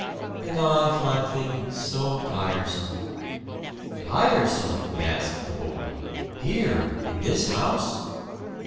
"And I find things so tiresome." "Tiresome!" gasped the boy. "Here in this house!"